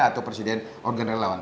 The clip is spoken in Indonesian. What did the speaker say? atau presiden organ relawan